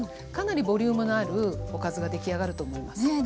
かなりボリュームのあるおかずが出来上がると思います。